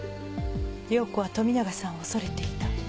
洋子は富永さんを恐れていた。